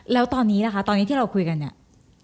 แล้วตอนนี้ล่ะคะตอนนี้ที่เราคุยกันเนี่ย